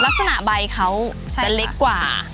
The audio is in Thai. ลักษณะใบเขาจะเล็กกว่า